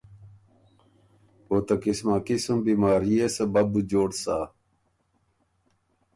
او ته قسماقِسُم بیماريې سبب بُو جوړ سۀ۔